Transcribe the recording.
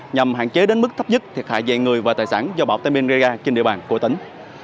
nhằm hạn chế đến mức thấp nhất thiệt hại về người và tài sản do bão tây nguyên gây ra trên địa bàn của tỉnh